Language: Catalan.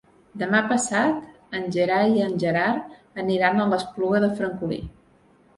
Demà passat en Gerai i en Gerard aniran a l'Espluga de Francolí.